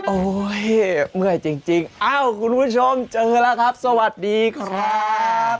เมื่อยจริงเอ้าคุณผู้ชมเจอแล้วครับสวัสดีครับ